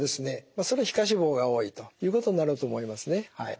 それ皮下脂肪が多いということになると思いますね。